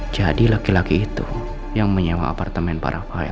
jadi laki laki itu yang menyewa apartemen pak rafael